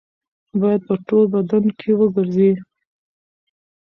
باید په ټول بدن کې وګرځي.